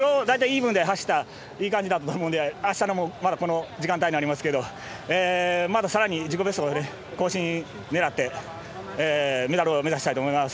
きょうはだいたいイーブンで走ったいい感じだったと思うのであしたもこの時間帯ですがまた、さらに自己ベスト、更新を狙ってメダルを目指したいと思います。